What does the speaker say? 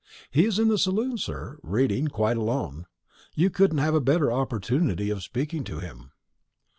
"He's in the saloon, sir, reading, quite alone. You couldn't have a better opportunity of speaking to him."